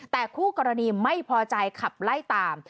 แต่คู่กรณีไม่พอใจขับไล่ตาม